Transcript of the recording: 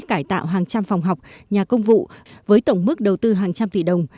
cải tạo hàng trăm phòng học nhà công vụ với tổng mức đầu tư hàng trăm tỷ đồng